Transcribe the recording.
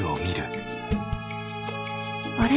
あれ？